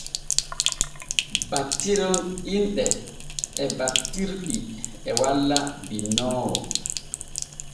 Battirol inɗe e battitirɗi e walla binnoowo.